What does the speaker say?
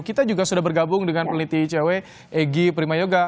kita juga sudah bergabung dengan peneliti cw egy prima yoga